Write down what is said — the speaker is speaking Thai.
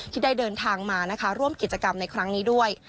ที่ได้เดินทางมานะคะร่วมกิจกรรมในครั้งนี้ด้วย